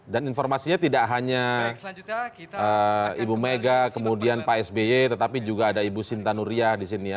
dan informasinya tidak hanya ibu mega kemudian pak sby tetapi juga ada ibu sinta nuria di sini ya